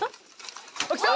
あっきた！